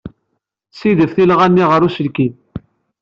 Ssidef tilɣa-nni ɣer uselkim.